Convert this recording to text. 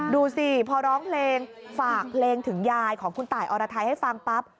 ดูสิพอร้องเพลงฝากเพลงถึงยายของคุณตายอรไทยให้ฟังปั๊บ